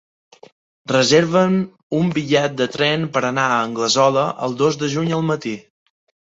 Reserva'm un bitllet de tren per anar a Anglesola el dos de juny al matí.